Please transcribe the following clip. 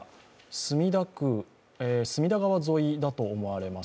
墨田川沿いだと思われます。